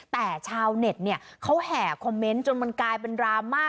แต่ชาวเน็ตเนี่ยเขาแห่คอมเมนต์จนมันกลายเป็นดราม่า